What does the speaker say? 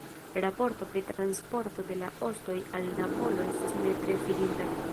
Raporto pri transporto de la ostoj al Napolo estas ne tre fidinda.